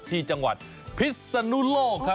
ที่จังหวัดพิศนุโลกครับ